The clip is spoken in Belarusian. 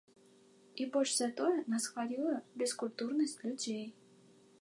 І больш за тое, нас хвалюе бескультурнасць людзей.